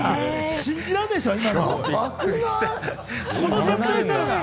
信じられないでしょ、これ。